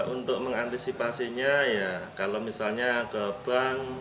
untuk mengantisipasinya ya kalau misalnya ke bank